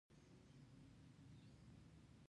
باز تل چمتو وي